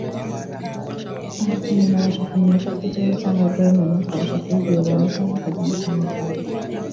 aha umuntu abasha kumenya ko afite ikibazo cyangwa arwaye noneho akabasha kubibwira abantu cyangwa akajya no kwa muganga